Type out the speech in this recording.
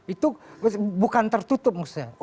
itu bukan tertutup maksudnya